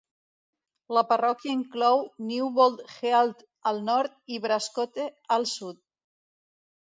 La parròquia inclou Newbold Health al nord i Brascote al sud.